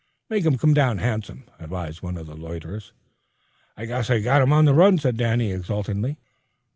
"Make him come down handsome," advised one of the loiterers. "I guess I got 'em on the run," said Danny exultingly.